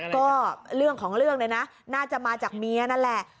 ก็เรื่องของเรื่องเนี่ยนะน่าจะมาจากเมียนั่นแหละ